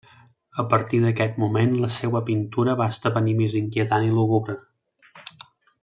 A partir d'aquest moment la seua pintura va esdevenir més inquietant i lúgubre.